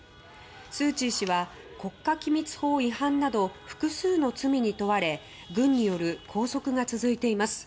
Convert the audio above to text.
スー・チー氏は国家機密法違反など複数の罪に問われ軍による拘束が続いています。